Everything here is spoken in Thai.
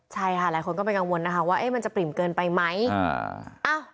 ใช่ค่ะหลายคนก็ไปกังวลนะคะว่ามันจะปริ่มเกินไปไหม